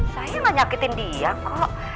saya nggak nyakitin dia kok